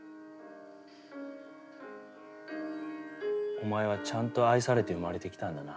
「」お前はちゃんと愛されて生まれてきたんだな。